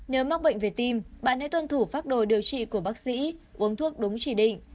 nếu mắc bệnh về tim bạn hãy tuân thủ pháp đồ điều trị của bác sĩ uống thuốc đúng chỉ định